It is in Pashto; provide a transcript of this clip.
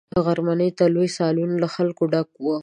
غرمې ته لوی سالون له خلکو ډک وو.